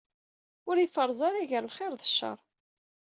Ur iferreẓ ara gar lxir d cceṛ.